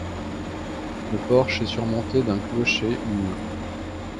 Le porche est surmonté d'un clocher-mur.